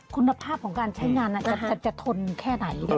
คุณภาพของการใช้งานจะทนแค่ไหน